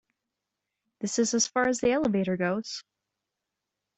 This is as far as the elevator goes.